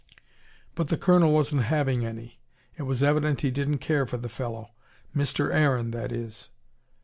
But the Colonel wasn't having any. It was evident he didn't care for the fellow Mr. Aaron, that is.